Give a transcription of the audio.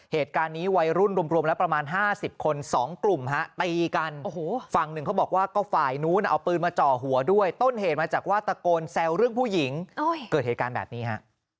เหตุการณ์นี้วัยรุ่นรวมแล้วประมาณ๕๐คน๒กลุ่มฮะตีกันฝั่งหนึ่งเขาบอกว่าก็ฝ่ายนู้นเอาปืนมาจ่อหัวด้วยต้นเหตุมาจากว่าตะโกนแซวเรื่องผู้หญิงเกิดเหตุการณ์แบบนี้ฮะ